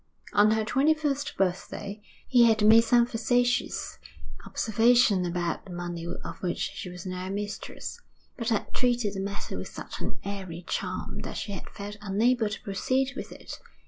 On her twenty first birthday he had made some facetious observation about the money of which she was now mistress, but had treated the matter with such an airy charm that she had felt unable to proceed with it.